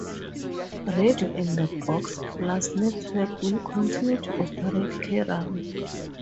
Radio and the Box Plus Network will continue to operate Kerrang!